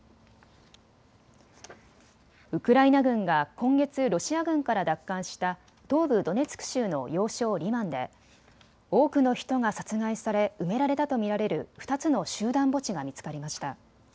ウクライナ軍が今月、ロシア軍から奪還した東部ドネツク州の要衝リマンで多くの人が殺害され埋められたと見られる２つの集団墓地が見つかりました。